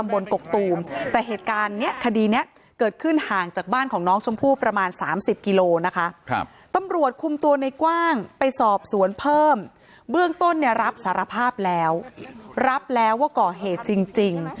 เบื้องต้นรับสารภาพแล้วรับแล้วว่าก่อเหตุจริง